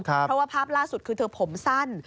เพราะว่าภาพล่าสุดคือเธอผมสั้น